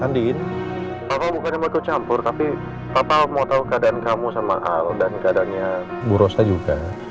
andien papa bukannya mau ikut campur tapi papa mau tahu keadaan kamu sama al dan keadaannya bu rosa juga